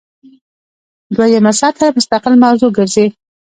دویمه سطح مستقل موضوع ګرځي.